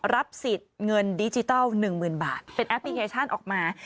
รับสิทธิ์เงินดิจิทัล๑๐๐๐บาทเป็นแอปพลิเคชันออกมา